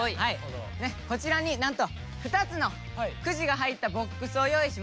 こちらになんと２つのくじが入ったボックスを用意しました。